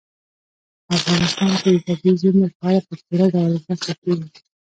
په افغانستان کې د طبیعي زیرمو په اړه په پوره ډول زده کړه کېږي.